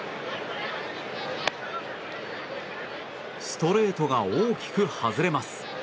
ストレートが大きく外れます。